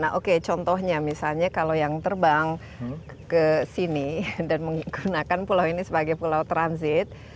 nah oke contohnya misalnya kalau yang terbang ke sini dan menggunakan pulau ini sebagai pulau transit